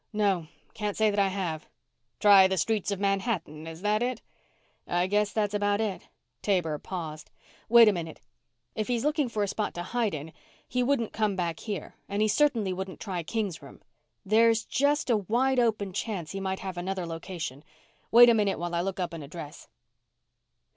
"No, can't say that I have." "Try the streets of Manhattan is that it?" "I guess that's about it." Taber paused. "Wait a minute. If he's looking for a spot to hide in he wouldn't come back here and he certainly wouldn't try King's room. There's just a wide open chance he might have another location. Wait a minute while I look up an address."